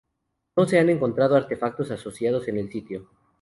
No se han encontrado artefactos asociados en el sitio.